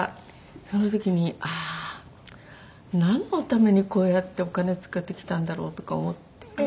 その時にああなんのためにこうやってお金使ってきたんだろうとか思って。